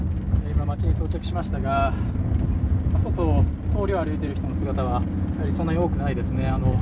今、街に到着しましたが外、通りを歩いている人の姿はそんなに多くないですね。